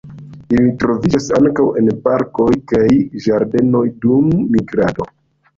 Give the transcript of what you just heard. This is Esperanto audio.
Ili troviĝas ankaŭ en parkoj kaj ĝardenoj dum migrado.